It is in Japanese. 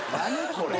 これ。